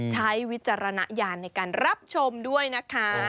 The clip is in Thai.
ใช้วิจารณะญาติในการตามรับชมด้วยนะคะ